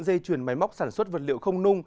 đỏ đi ba ô tô sát vụ